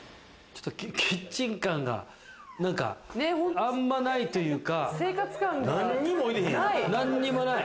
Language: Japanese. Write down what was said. キッチン感があんまないというか。